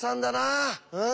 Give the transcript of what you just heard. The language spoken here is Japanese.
うん。